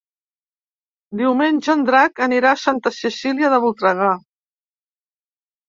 Diumenge en Drac anirà a Santa Cecília de Voltregà.